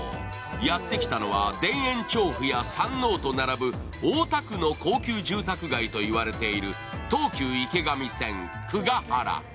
やってきたのは田園調布や山王と並ぶ大田区の高級住宅街と言われている東急池上線・久が原。